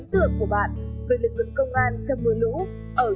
giờ trở thành vật bất ly thân của nhiều người